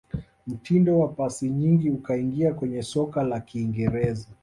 Mtindo wa pasi nyingi ukaingia kwenye soka la kiingereza